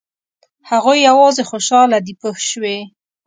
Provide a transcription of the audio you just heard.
هغوی یوازې خوشاله دي پوه شوې!.